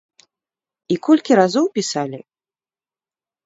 І колькі разоў пісалі.